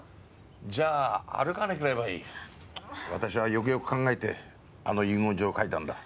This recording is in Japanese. じゃ歩かなければいい私はよくよく考えてあの遺言状を書いたんだ